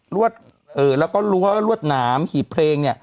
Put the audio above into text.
แล้วก็รั้วรวดน้ำหีบเพลง